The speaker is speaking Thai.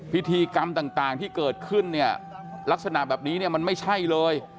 พิธีกรรมต่างที่เกิดขึ้นเนี่ยลักษณะแบบนี้เนี่ยมันไม่ใช่เลย